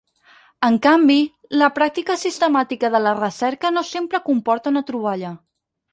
En canvi, la pràctica sistemàtica de la recerca no sempre comporta una troballa.